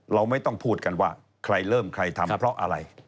เราไม่ต้องพูดกันว่าใครเริ่มใครทำเพราะอะไร